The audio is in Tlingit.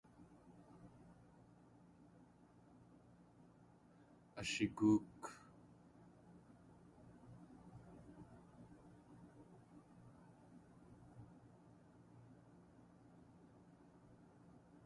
Ashigóok.